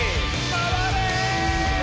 回れ！